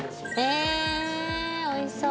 えおいしそう！